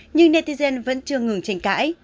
nhưng netizen vẫn chưa ngừng tranh cãi